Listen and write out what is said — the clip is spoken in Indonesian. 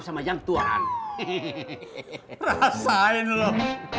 sama yang tuhan heheheh rasainlah